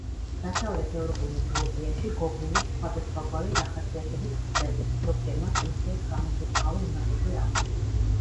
დასავლეთ ევროპულ მითოლოგიაში გობლინებს სხვადასხვაგვარი დახასიათებით ვხვდებით, ზოგჯერ მათ ურთიერთგამომრიცხავი უნარები აქვთ.